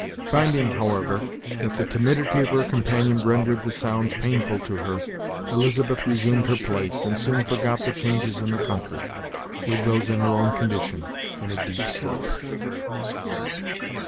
Finding, how ever, that the timidity of her companion rendered the sounds painful to her, Elizabeth resumed her place, and soon forgot the changes in the country, with those in her own condition, in a deep sleep.